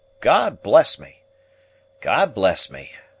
God bless me! God bless me!